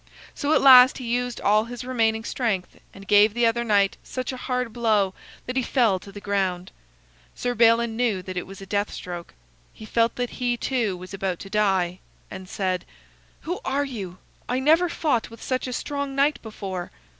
So at last he used all his remaining strength and gave the other knight such a hard blow that he fell to the ground. Sir Balin knew that it was a death stroke. He felt that he, too, was about to die, and said: "Who are you? I never fought with such a strong knight before."